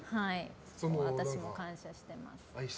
私も感謝してます。